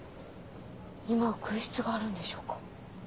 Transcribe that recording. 今は空室があるんでしょうか？